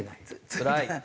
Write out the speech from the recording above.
つらい！